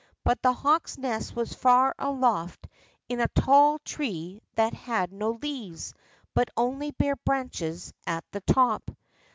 But the hawk's nest was far aloft in a tall tree that had no leaves, but only bare branches at the top.